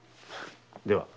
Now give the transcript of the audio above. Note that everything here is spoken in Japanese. では。